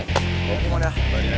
gue mau dah